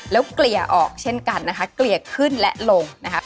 แล้วเกลี่ยออกเช่นกันนะคะเกลี่ยขึ้นและลงนะคะ